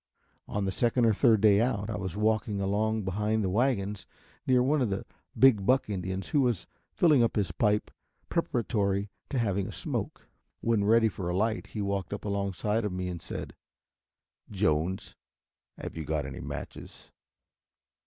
On the second or third day out I was walking along behind the wagons near one of the big buck Indians who was filling up his pipe preparatory to having a smoke. When ready for a light he walked up alongside of me and said, "Jones, have you got any matches?"